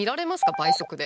倍速で。